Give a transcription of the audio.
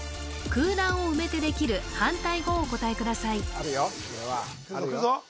空欄を埋めてできる反対語をお答えください